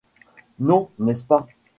Non, n’est-ce pas ?